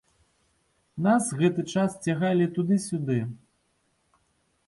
Нас гэты час цягалі туды-сюды.